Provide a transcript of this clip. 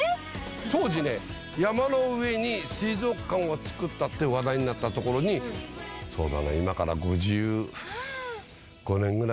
当時山の上に水族館を造ったって話題になった所にそうだね今から。